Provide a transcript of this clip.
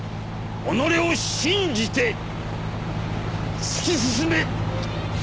おのれを信じて突き進め！